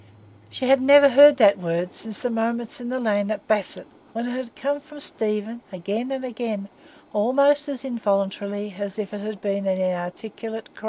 She had never heard that word since the moments in the lane at Basset, when it had come from Stephen again and again, almost as involuntarily as if it had been an inarticulate cry.